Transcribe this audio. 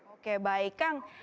oke baik kang